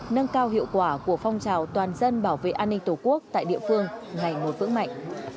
nâng cao hiệu quả của phong trào toàn dân bảo vệ an ninh tổ quốc tại địa phương ngày một vững mạnh